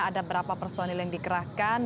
ada berapa personil yang dikerahkan